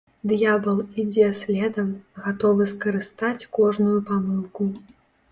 Д'ябал ідзе следам, гатовы скарыстаць кожную памылку.